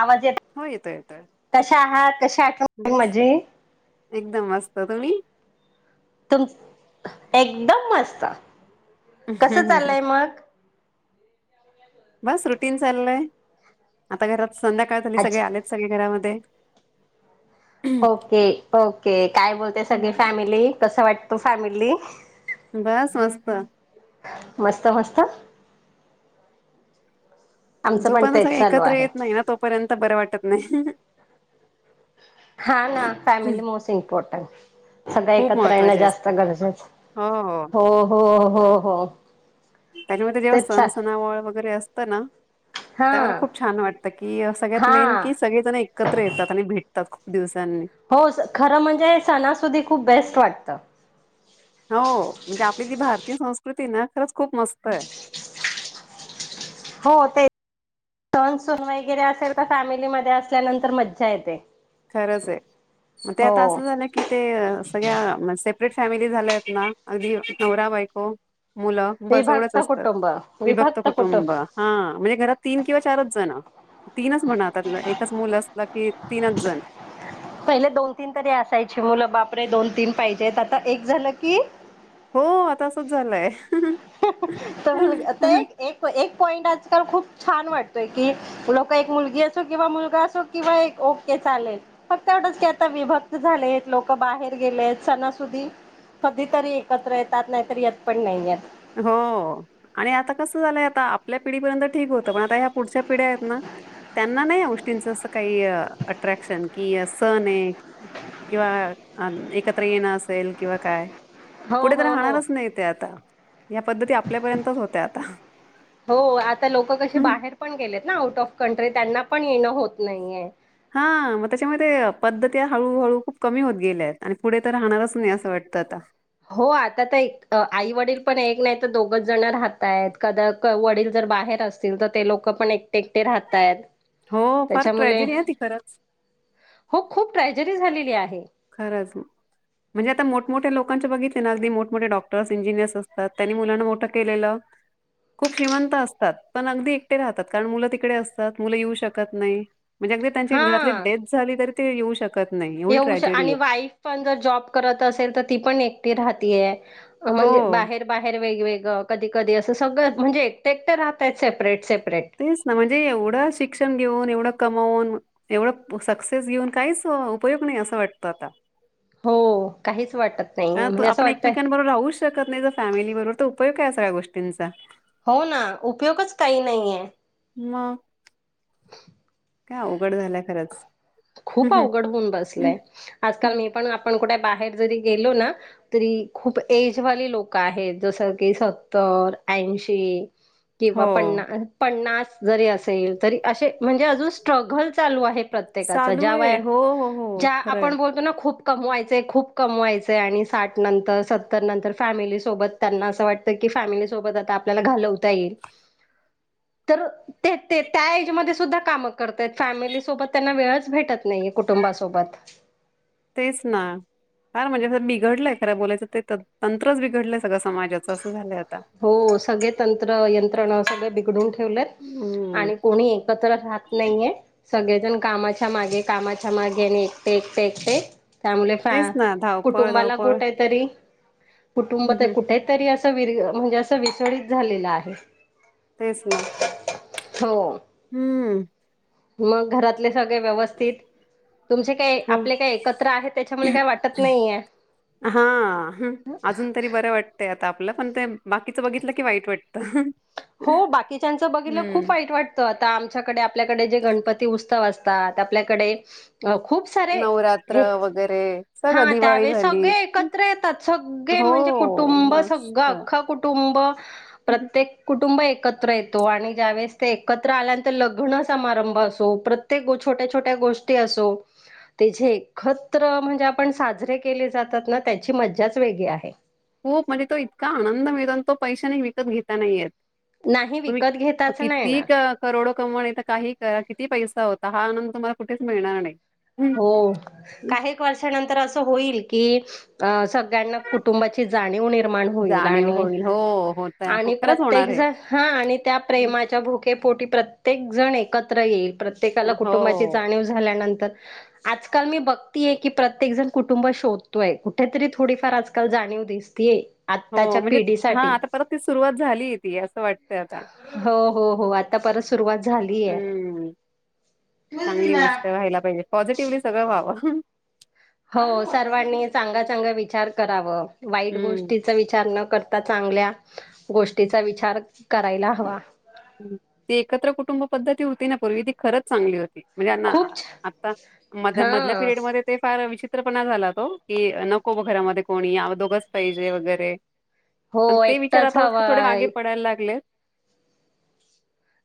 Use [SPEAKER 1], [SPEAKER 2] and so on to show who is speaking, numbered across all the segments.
[SPEAKER 1] आवाज येतोय,
[SPEAKER 2] हो येतोय
[SPEAKER 1] कशा आहात कशी आठवन झाली
[SPEAKER 2] बस
[SPEAKER 1] माझी.
[SPEAKER 2] एकदम मस्त तुम्ही.
[SPEAKER 1] तुम एकदम मस्त कस चाललंय मग.
[SPEAKER 2] बस रुटीन चाललय आता घरात संध्याकाळ झाली सगळे
[SPEAKER 1] अच्छा
[SPEAKER 2] आलेत सगळे घरामध्ये.
[SPEAKER 1] ओके ओके काय बोलते सगळी फॅमिली कस वाटतू फॅमिली.
[SPEAKER 2] बस मस्त.
[SPEAKER 1] मस्त मस्त. आमचं
[SPEAKER 2] जो पण
[SPEAKER 1] तेच चालू
[SPEAKER 2] एकत्र
[SPEAKER 1] आहे
[SPEAKER 2] येत नाही ना तोपर्यंत बरं वाटत नाही.
[SPEAKER 1] हा ना फॅमिली मोस्ट इम्पॉरटंट. सगळ
[SPEAKER 2] खूप
[SPEAKER 1] एकत्र येणं
[SPEAKER 2] महत्त्वाची
[SPEAKER 1] जास्त
[SPEAKER 2] असते
[SPEAKER 1] गरजेचं हो हो हो हो.
[SPEAKER 2] त्याच्यामध्ये जेव्हा
[SPEAKER 1] तेच
[SPEAKER 2] सणसणावळ वगैरे असतं ना.
[SPEAKER 1] हा
[SPEAKER 2] त्या वेळेला खूप छान वाटतं की सगळ्यात
[SPEAKER 1] हा
[SPEAKER 2] मेन कि सगळे जण एकत्र येतात आणि भेटतात खूप दिवस.
[SPEAKER 1] हो खरं म्हणजे सणासुधीत खूप बेस्ट वाटत.
[SPEAKER 2] हो म्हणजे आपली जी भारतीय संस्कृती ना खरंच खूप मस्त आहे. [inaudible]
[SPEAKER 1] हो ते. सण सून वगैरे असेल तर फॅमिलीमध्येध्ये असल्यानंतर मज्जा येते.
[SPEAKER 2] खरंच आहे मग ते
[SPEAKER 1] हो
[SPEAKER 2] आता असं झालं की ते सगळ्या म सपरेट फॅमिली झाल्या आहेत ना अगदी नवरा बायको मुलं बस एवढच असतात. विभक्त कुटुंब हा म्हणजे घरात तीन किंवा चारच जण. तीनच म्हणातलं एकच मुलं असलं की तीनच जण.
[SPEAKER 1] पहिले दोन तीन तरी असायची मुलं बापरे दोन तीन पाहिजेत आता एक झालं की
[SPEAKER 2] हो आता असंच झालंय.
[SPEAKER 1] तर मुल एक एक. पॉईंट आजकाल खूप छान वाटतोय की लोक एक मुलगी असो किंवा मुलगा असो किंवा एक ओके. चालेल, फक्त एवढ की आता विभक्त झाले लोक बाहेर गेले आहेत सणासुदी कधीतरी एकत्र येतात नाहीतरी येत पण नाही य.
[SPEAKER 2] हो आणि आता कसं झालंय आता आपल्या पिढीपर्यंत ठीक होतं पण आता ह्या पुढच्या पिढ्या आहेत ना. त्यांना नाही या उष्टींच अस काही अट्रॅक्शन कि सण आहे. किंवा एकत्र येणं असेल किंवा काय.
[SPEAKER 1] हो
[SPEAKER 2] पुढे तर
[SPEAKER 1] हो हो
[SPEAKER 2] राहणारच नाही ते आता. प ते आपल्यापर्यंतच होत आता.
[SPEAKER 1] हो आता लोक कशी बाहेर पण गेलेत ना आऊट ऑफ कंट्री त्यांना पण येणं होत नाहीये.
[SPEAKER 2] हा मग त्याच्यामध्ये पद्धत हळूहळू खूप कमी होत गेल्यात आणि पुढे तर राहणारच नाही असं वाटतं. त आता.
[SPEAKER 1] हो आता तर एक आई वडील पण एक नाही तर दोघच जण राहतय आहेत कदा वडील. बाहेर असतील तर ते लोक पण एकटे एकटे राहत आहेत.
[SPEAKER 2] हो फार
[SPEAKER 1] त्याच्यामुळे
[SPEAKER 2] ट्रॅजेडी आहे ती खरंच.
[SPEAKER 1] हो खूप ट्राजीडी झालेली आहे
[SPEAKER 2] खराच ना. म्हणजे आता मोठमोठ्या लोकांचे बघितले ना अगदी मोठमोठे डॉक्टर्स इंजिनियर्स असतात त्यांनी मुलांना मोठं केलं. खूप श्रीमंत असतात पण अगदी एकटे राहतात कारण मुलं तिकडे असतात मुलं येऊ शकत नाही. म्हणजे अगदी त्यांची घरातली
[SPEAKER 1] हा
[SPEAKER 2] डेथ झाली तरी ते येऊ शकत नाही एवढी
[SPEAKER 1] येऊ
[SPEAKER 2] ट्रॅ
[SPEAKER 1] श आणि वाईफ पण जर जॉब करत असेल तर ती पण एकटीव राहतीय. म्हणजे
[SPEAKER 2] हो.
[SPEAKER 1] बाहेर बाहेर वेगवेग कधी. कधी असं सगळं म्हणजे एकटे एक तर राहत सेपरेट स
[SPEAKER 2] तेच ना म्हणजे एवढं शिक्षण घेऊन एवढं कमावून. एवढं सक्सेस घेऊन काहीच उपयोग नाही असं वाटत आता
[SPEAKER 1] हो काहीच. वाटत नाहीये
[SPEAKER 2] कारण
[SPEAKER 1] म्हणजे असं
[SPEAKER 2] आपण
[SPEAKER 1] वाटतंय
[SPEAKER 2] एकमेकांबरोबर राहूच शकत नाही तरर फॅमिली बरोबर तर उपयोग काय आहे सगळ्या गोष्टींचा
[SPEAKER 1] हो ना उपयोगच काही नाहीये
[SPEAKER 2] [unintelligible]
[SPEAKER 1] [unintelligible]
[SPEAKER 2] का उघड झालं खरंच.
[SPEAKER 1] खूप
[SPEAKER 2] हम्म,
[SPEAKER 1] अवघड होऊन
[SPEAKER 2] हम्म,
[SPEAKER 1] बसलय आजकाल
[SPEAKER 2] हम्म.
[SPEAKER 1] मी पण आपण कुठे? बाहेर जरी गेलो ना तरी खूप एजवाली लोक आहेत जस की सत्तर ऐंशी किंवा
[SPEAKER 2] हो
[SPEAKER 1] पन पन्नास जरी असे तरी असे म्हणजे अजून स्ट्रगल चालू आहे. प्रत्येका
[SPEAKER 2] चालू
[SPEAKER 1] ज्या व
[SPEAKER 2] आहे हो हो हो
[SPEAKER 1] ज्या
[SPEAKER 2] खरंय
[SPEAKER 1] आपण बोलतो ना खूप कमवायचे खूप कमवायचे आणि साठ नंतर सत्तर नंतर फॅमिली सोबत त्यांना असं वाटत की फॅमिली सोबत आता आपल्याला घालवता येईल.
[SPEAKER 2] हम् [inaudible]
[SPEAKER 1] तर ते त्या एजमध्ये सुद्धा काम करतय फॅमिलीसोबत त्यांना वेळच भेटत नाही कुटुंबासोबत
[SPEAKER 2] तेच ना खर म्हणजे बिघडलंय खरं बोलायचं ते तंत्रच बिघडलं.
[SPEAKER 1] हो सगळे तंत्र यंत. बिडून ठेव
[SPEAKER 2] हम्म
[SPEAKER 1] आणि कोणी एकत्र रात नाहीये. सगळेजण कामाच्या मागे कामाच्या मागे आणि एकटे एकटे ऐकट. त्यामुळे फ
[SPEAKER 2] तेच ना धावपळ
[SPEAKER 1] कुटुंबाला
[SPEAKER 2] धावपळ
[SPEAKER 1] कुठ आहे तरी
[SPEAKER 2] हम्म
[SPEAKER 1] कुटुंबात
[SPEAKER 2] हम्म.
[SPEAKER 1] कुठे तरी असं विस्कळीत झालेलं आहे.
[SPEAKER 2] तेच ना
[SPEAKER 1] हो.
[SPEAKER 2] हम्म.
[SPEAKER 1] मग घरातले सगळे व्यवस्थित तुमचे काय
[SPEAKER 2] हो
[SPEAKER 1] आपले काय एकत्र आहे, त्याच्यामुळे काय वाटत नाहीये.
[SPEAKER 2] हा ह अजून तरी बरं वाटतेय, आता. आपलं पण ते बाकीच बघितलं की वाईट वाटतं.
[SPEAKER 1] हो बाकीच्याच बघितलं खूप
[SPEAKER 2] हं.
[SPEAKER 1] वाईट वाटतं आता आमच्याकडे आपल्या कडे जे गणपती उत्सव असतात. आपल्याकडे अ खूप सारे
[SPEAKER 2] नवरात्र
[SPEAKER 1] हे
[SPEAKER 2] वगैरे सगळं
[SPEAKER 1] हा
[SPEAKER 2] दिवाळी
[SPEAKER 1] त्यावेळेस
[SPEAKER 2] झाली.
[SPEAKER 1] सगळे एकत्र येतात, सगळे
[SPEAKER 2] हो,
[SPEAKER 1] म्हणजे कुटुंब सगळं
[SPEAKER 2] मस्त.
[SPEAKER 1] अख्खं कुटुंब प्रत्येक कु कुटुंब एकत्र येतो आणि ज्यावेेळे ते एकत्र आल्यानंतर लग्न समारंभ असो प्रत्येक गो छोट छोट्या छोट्या गोष्टी असो. ते जे एकत्र म्हणजे आपण साजरे केले जातात ना त्याची मज्जाच वेगळी आहे.
[SPEAKER 2] खूप म्हणजे तो इतका आनंद मिळतो ना, तो पैशाने विकत घेता नाहीेत येत.
[SPEAKER 1] नाही
[SPEAKER 2] तुम्ही
[SPEAKER 1] विकत घेताच नाही
[SPEAKER 2] किती
[SPEAKER 1] येणार
[SPEAKER 2] करोड कमवणे तर काही करा किती पैसा होता. हा आनंद तुम्हाला कुठच मिळणार नाही. हं,
[SPEAKER 1] हो
[SPEAKER 2] हं.
[SPEAKER 1] काहीक वर्षानंतर असं होईल की अ स सळ्यांना कुटुंबाची जाणीव निर्माण होईल
[SPEAKER 2] जाणीव
[SPEAKER 1] आणि
[SPEAKER 2] होईल. हो, होता. हो,
[SPEAKER 1] आणि
[SPEAKER 2] खरंच
[SPEAKER 1] प्रत्येक
[SPEAKER 2] होणार
[SPEAKER 1] ज
[SPEAKER 2] आहे.
[SPEAKER 1] हा आणि त्या
[SPEAKER 2] हं,
[SPEAKER 1] प्रेमाच्या भुकेपोटी प्र् त्येक जण एकत्र येईल, प्रत्येकाला कुटुंबाची जाणीव झाल्यानंतर
[SPEAKER 2] ह [inaudible]
[SPEAKER 1] आजकाल मी बघतीय की प्रत्येक जण कुटुंब शोधतोय, कुठेतरी थोडीफार आजकाल जाणीव दिसतीये.
[SPEAKER 2] हो
[SPEAKER 1] आत्ताच्या
[SPEAKER 2] म्हणजे हा
[SPEAKER 1] पिढीसाठी
[SPEAKER 2] आता परत ती सुरुवात झालीये, ती असं वाटत आता.
[SPEAKER 1] हो हो हो आता परत सुरुवात झालीय.
[SPEAKER 2] हम्म चांगली गोष्ट व्हायला पाहिजे पॉझिटिव्हली सगळं व्हावं.
[SPEAKER 1] हो सर्वांनी चांगा चांगा विचार कराव वाईट
[SPEAKER 2] हम्म
[SPEAKER 1] गोष्टीचा विचार न करता चांगल्या गोष्टीचा विचार करायला हवा.
[SPEAKER 2] ती एकत्र कुटुंब पद्धती होती ना, पूर्वी ती खरंच चांगली होती. म्हणजे
[SPEAKER 1] खूप
[SPEAKER 2] आता म
[SPEAKER 1] हा
[SPEAKER 2] मधल्या पिरियड मध्ये ते फार विचित त्र पणा झाला तो की नको ब घरामध्ये कोणी आम्ही दोघच पाहिजे वगैरे.
[SPEAKER 1] हो
[SPEAKER 2] पण ते विचार
[SPEAKER 1] एकटाच
[SPEAKER 2] आता थोडे मागे
[SPEAKER 1] हवाय
[SPEAKER 2] पडायला लागलेत.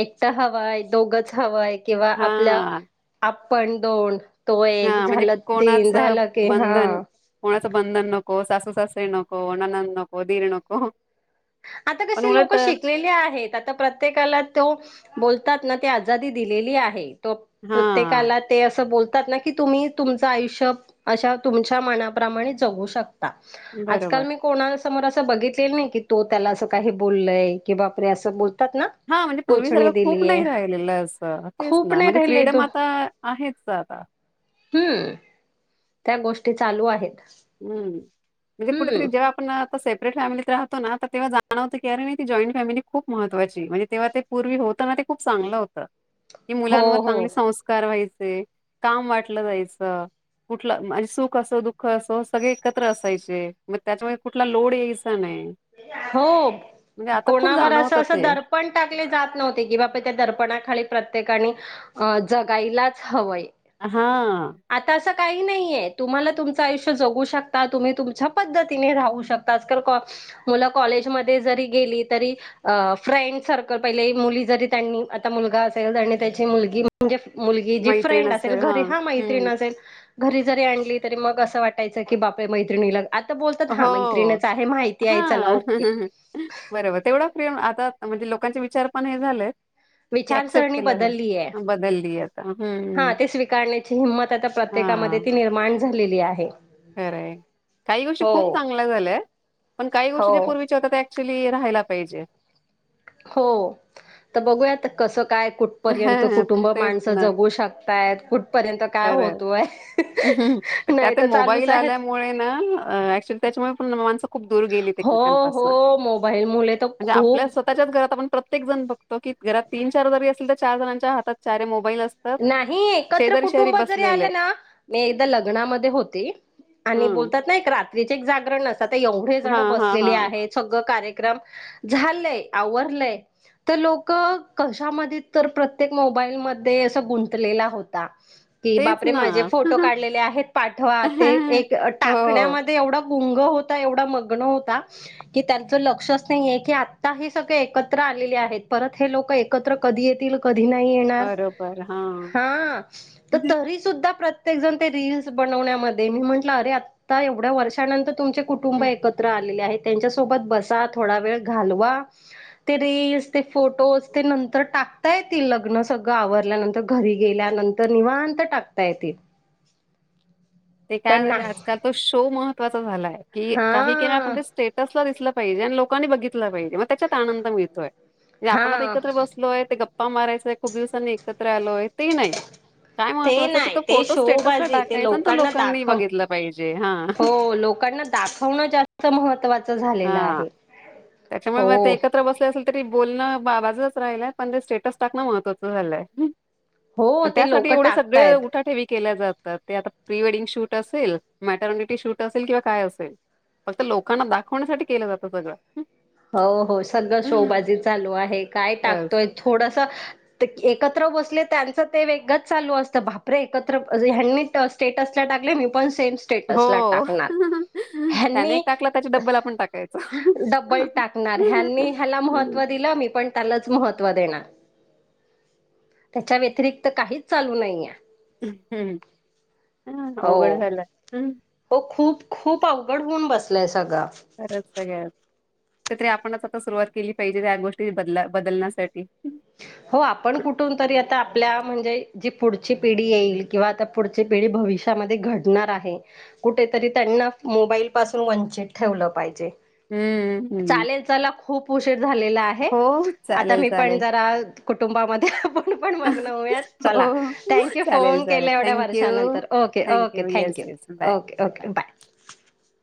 [SPEAKER 1] एकट हवाय दोघच हवय किंवा
[SPEAKER 2] हा
[SPEAKER 1] आपल्या आपण दोन, तो
[SPEAKER 2] हा
[SPEAKER 1] एक
[SPEAKER 2] म्हणजे
[SPEAKER 1] झालं तीन
[SPEAKER 2] कोणाचं
[SPEAKER 1] झालं की
[SPEAKER 2] बंधन
[SPEAKER 1] हा
[SPEAKER 2] कोणाचं बंधन नको, सासू सासरे नको, नणंद नको, दिर नको.
[SPEAKER 1] आता
[SPEAKER 2] पण
[SPEAKER 1] कशी लोक
[SPEAKER 2] उलट
[SPEAKER 1] शिकलेली आहेत, आता प्रत्येकाला तो बोल तात ना ते आजादी दिलेली आहे तो
[SPEAKER 2] हां,
[SPEAKER 1] प्रत्येकाला ते अस बोल ना की तुम्ही तुमचं आयुष्य अशा तुमच्या मनाप्रमाणे जगू शक ता
[SPEAKER 2] बरोबर.
[SPEAKER 1] आजकाल मी कोणा समोर असं बघितलेलं नाही की तो त्याला असं काही बोललय कि बापरे असं बो
[SPEAKER 2] हा म्हणजे पूर्वीसारखं खूप नाही राहिलेलं, असं तेच
[SPEAKER 1] खूप
[SPEAKER 2] ना
[SPEAKER 1] नाही
[SPEAKER 2] म्हणजे
[SPEAKER 1] राहिलय
[SPEAKER 2] फ्रीडम
[SPEAKER 1] तो
[SPEAKER 2] आता आहेत. माणसाला.
[SPEAKER 1] हम्म. गोष्टी चालू आहेत.
[SPEAKER 2] हम्म म्हणजे
[SPEAKER 1] हम्म
[SPEAKER 2] कुठेतरी जेव्हा आपण सेपरेट फॅमिलीत राहतो ना, तर तेव्हा जाणवतं की अरे नही ती जॉईंट फॅमिली खूप महत्वाचीय म्हणज तेव्हा ते पूर्वी होत होतना ते खूप चांगलं होत, की
[SPEAKER 1] हो
[SPEAKER 2] मुलांवर
[SPEAKER 1] हो
[SPEAKER 2] चांगले संस्कार व्हाय चे काम वाटलं जायच कुठल म्हणजे सुख असो दुःख अस त सगळे एकत्र असायचे, मग त्याच्यामुळे कुठला लोड यायचा नाही.
[SPEAKER 1] हो.
[SPEAKER 2] म्हणजे आता खूप
[SPEAKER 1] कोणावर असं
[SPEAKER 2] जाणवतं
[SPEAKER 1] असं
[SPEAKER 2] ते.
[SPEAKER 1] दर्पण टाकले जात नव्हते की बाबा त्या दर्पणाखाली प्रते त्येकाणी अ जगायलाच हवंय.
[SPEAKER 2] हा.
[SPEAKER 1] आता असं काही नाही तुम्हाला तुमचं आयुष्य जगू शकता तुम्ही तुमच्या पद्धतीने राहू शकता आज मुलं कॉलेजमध्ये जरी गेली तरी फ्रेंड सर्कल पहिले मुली जरी त्यांनी आ मु ला असेल आणि त्याची मुल म्हणजे मुलगी जी
[SPEAKER 2] मैत्रीण
[SPEAKER 1] फ्रेंड असेल घरी
[SPEAKER 2] हां.
[SPEAKER 1] हा
[SPEAKER 2] हं.
[SPEAKER 1] मैत्रीण असेल घरी जरी आणली तरी मग असं वाटायचं की बापे मैत्रिणीला आता बोलतात हा मैत्रिणीच आहे माहिती आहे चला
[SPEAKER 2] ह
[SPEAKER 1] ओके
[SPEAKER 2] बर बर तेवढा प्रेम आता म्हणजे लोकांचे विचार पण हे झालेत की ॲक्सेप्ट
[SPEAKER 1] विचारसरणी
[SPEAKER 2] केलं.
[SPEAKER 1] बदलली आहे
[SPEAKER 2] बदलली आता.
[SPEAKER 1] हा
[SPEAKER 2] हं.
[SPEAKER 1] ते स्वीकारण्याची हिंमत आता प्रत्येकामध्ये ती निर्माण झालेली आहे
[SPEAKER 2] वर काही गोष्टी खूप
[SPEAKER 1] हो.
[SPEAKER 2] चांगल्या झाल्याय पण काही गोष्टी ज्या
[SPEAKER 1] हो
[SPEAKER 2] पूर्वीच्या होत त्या ऍक्च्युली राहायला पाहिजे
[SPEAKER 1] हो तर बघूयात कसं काय कुठपर्यंत कुटुंब
[SPEAKER 2] तेच
[SPEAKER 1] माणसं
[SPEAKER 2] ना.
[SPEAKER 1] जगू शकतय कुठपर्यंत काय
[SPEAKER 2] खरं
[SPEAKER 1] होतोय
[SPEAKER 2] आहे.
[SPEAKER 1] नाही तर चालूच
[SPEAKER 2] मोबाईल
[SPEAKER 1] आहेत.
[SPEAKER 2] आल्यामुळेच त्यामुळे माण खूप दूर गेलीत
[SPEAKER 1] हो
[SPEAKER 2] एकमेकांपासून
[SPEAKER 1] हो मोबाईल मुले तर
[SPEAKER 2] म्हणजे आपल्या
[SPEAKER 1] खूप
[SPEAKER 2] स्वतःच्याच घरात आप प्रत प्रत्येक जण बघो की घरात तीन चार जरी असेल तर चार जणांच्या हात चार मोबाईल असतात
[SPEAKER 1] नाही एकत्र
[SPEAKER 2] शेजारी शेजारी
[SPEAKER 1] कुटुंब जरी
[SPEAKER 2] बसलेले
[SPEAKER 1] आलं ना मी एकदा लग्नामध्ये होते आणि
[SPEAKER 2] हम्म
[SPEAKER 1] बोलतात ना एक रात्रीचे एक जागरण असता एवढे
[SPEAKER 2] हा
[SPEAKER 1] जण
[SPEAKER 2] हा हा
[SPEAKER 1] बसलेली आहे सगळं कार्य लोक कशा प्र मोबाईल मध्ये अस गुंतलेला होता की
[SPEAKER 2] तेच
[SPEAKER 1] बापरे
[SPEAKER 2] ना
[SPEAKER 1] माझे फोटो काढलेले आहेत पाठवा ते एक
[SPEAKER 2] हो
[SPEAKER 1] टाकण्यामध्ये एवढं गुंग होता एवढा मग्न होता की त्यांच लक्षच नाहीये की आता हे सगळ एकत्र आलेली आहेत परत हे लोक एकत्र कधी येतील कधी
[SPEAKER 2] बरोबर हा
[SPEAKER 1] हा तर तरीसुद्धा प प्रत्येकजण ते रीलल्स बनवण्यामध्ये मी म्हटलं, अरे आत्ता एवढ्या वर्षानंतर तुमच्या- कुटुंब एकत्र आलेले आहेत, त्यांच्या सोबत बसा थोडा, वेळ घालवा, ते रीलस, ते फोटोज, ते नंतर टाक ताय ती लग्न सगळं आवरल्यानंतर. घरी गेल्यानंतर, निवांत टाकता येतय.
[SPEAKER 2] ते काय झालं आजकाल तो शो महत्वाचा झालाय की, काही के आपण
[SPEAKER 1] हा
[SPEAKER 2] ते स्टेटस दिसलं पाहिजे आणि लोकांनी बघितलं पाहिजे, मग त्याच्यात आनंद मिळतोय म्हणजे, आपण आता
[SPEAKER 1] हा
[SPEAKER 2] एकत्र बसलोय ते, गप्पा मारायचय खूप दिवसांनी एकत्र आलोय, ते नाही काय
[SPEAKER 1] ते
[SPEAKER 2] महत्वाचं तर
[SPEAKER 1] नाही
[SPEAKER 2] तो
[SPEAKER 1] ते
[SPEAKER 2] फोटो स्टेटसला
[SPEAKER 1] शोबाजी ते
[SPEAKER 2] टाकायचा आणि तो लो
[SPEAKER 1] लोकांना दाखव, हो लोकांना दाखवणं जास्त महत्वाच झालेलं
[SPEAKER 2] हां.
[SPEAKER 1] आहे.
[SPEAKER 2] त्याच्यामुळे
[SPEAKER 1] हो
[SPEAKER 2] मग ते एकत्र बसले असेल तरी- बोलणं बा बाजच राहिलय, पण ते स्टेटस टाकणं महत्त्वाचं झालंय.
[SPEAKER 1] हो ते
[SPEAKER 2] त्यासाठी
[SPEAKER 1] लोक
[SPEAKER 2] एवढे सगळे
[SPEAKER 1] टाकतायत
[SPEAKER 2] उठा ठेवी केल्या जातात, ते आता प्री वडिंग शूट असेल, मॅटर्निटी शूट असेल किंवा काय असेल फक्त लोकांना दाखवण्यासाठी केलं जातं, सगळं
[SPEAKER 1] हो, हो, सगळ शोबाजी चालू आहे, काय
[SPEAKER 2] बस.
[SPEAKER 1] टाकतोय थोडंसं एकत्र बसले त्यांच ते वेगळंच चालू असतं, भापरे एकत्र ह स्टेटसला टाकले मी पण स टाा
[SPEAKER 2] हो.
[SPEAKER 1] [unintelligible]
[SPEAKER 2] त्याने एक टाकला त्याची डब्बल आपण टाकायचं.
[SPEAKER 1] ह्यांनी ह्याला महत्व दिलं, मी पण त्यालाच महत्व दे त्याच्या व्यतिरिक्त काहीच चालू नाहीे.
[SPEAKER 2] हम्म ह अवघड
[SPEAKER 1] हो
[SPEAKER 2] झालं हम्.
[SPEAKER 1] हो खूप खूप अवघड होऊन बसलाय
[SPEAKER 2] खरंच सगळ्या तर तरी आपणच आता सुरुवात केली पाहिजे, त्या गोष्टी बद बदलण्यासाठी
[SPEAKER 1] हो आपण कुठून तरी आता आपल्या म्हणजे जी पुढची पिढी येईल किंवा आता पुढची पिढी भविष्यामध्ये घडणार आहे, कुठेतरी त्यांनी मोबाईल पासून वंचित ठेवलं पाहिजे.
[SPEAKER 2] हम्म हम्म
[SPEAKER 1] चालेल चला खूप उशीर झालेला आहे,
[SPEAKER 2] हो
[SPEAKER 1] आता
[SPEAKER 2] चालेल
[SPEAKER 1] मी पण
[SPEAKER 2] चालेल.
[SPEAKER 1] जरा कुटुंबामध्ये पण मग्न होऊया चला.
[SPEAKER 2] हो
[SPEAKER 1] थँक्यू
[SPEAKER 2] चालेल
[SPEAKER 1] फोन
[SPEAKER 2] चालेल
[SPEAKER 1] केले एवढ्या
[SPEAKER 2] थँक्यू
[SPEAKER 1] वर्षानंतर okay, okay,
[SPEAKER 2] yes
[SPEAKER 1] thank you,
[SPEAKER 2] yes bye.
[SPEAKER 1] Okay, okay, bye.
[SPEAKER 2] [inaudible]